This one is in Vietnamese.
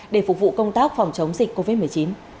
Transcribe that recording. để phục vụ công tác phòng chống dịch covid một mươi chín